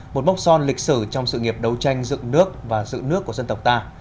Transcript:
một mốc son lịch sử trong sự nghiệp đấu tranh dựng nước và dựng nước của dân tộc ta